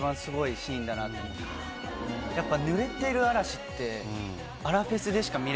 やっぱ。